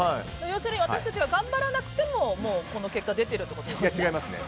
要するに私たちが頑張らなくてもこの結果が出てるということですね。